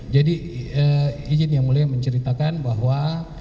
jadi izinnya mulai menceritakan bahwa